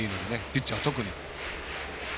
ピッチャーは特に。